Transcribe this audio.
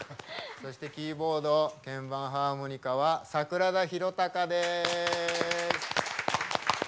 そして、キーボード鍵盤ハーモニカは櫻田泰啓です。